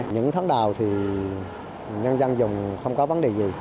những tháng đầu thì nhân dân dùng không có vấn đề gì